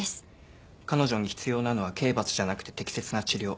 彼女に必要なのは刑罰じゃなくて適切な治療。